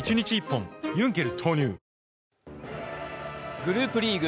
グループリーグ